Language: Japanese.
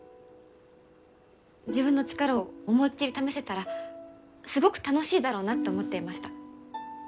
自分の力を思いっきり試せたらすごく楽しいだろうなって思っていました。